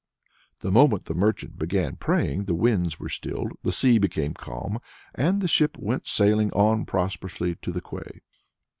The moment the merchant began praying the winds were stilled, the sea became calm, and the ship went sailing on prosperously to the quay.